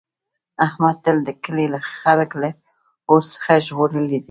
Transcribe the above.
احمد تل د کلي خلک له اور څخه ژغورلي دي.